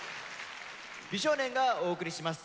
美少年がお送りします